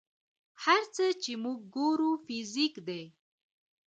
هر څه چې موږ ګورو فزیک دی.